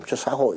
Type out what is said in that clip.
cho xã hội